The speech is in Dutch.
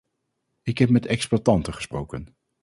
Ik heb met exploitanten gesproken.